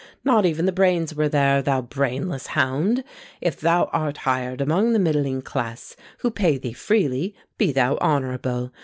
Not even the brains were there, thou brainless hound! If thou art hired among the middling class, Who pay thee freely, be thou honourable!